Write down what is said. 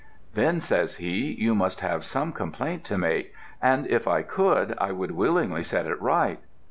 "'Then,' says he, 'you must have some complaint to make, and if I could I would willingly set it right.'